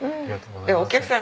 お客さん